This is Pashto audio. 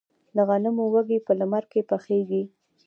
د غنمو وږي په لمر کې پخیږي.